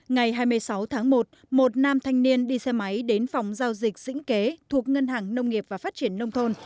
ngày hai mươi sáu tháng một một nam thanh niên đi xe máy đến phòng giao dịch dĩnh kế thuộc ngân hàng nông nghiệp và phát triển nông thôn